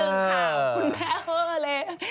คุณแม่เหอะเลย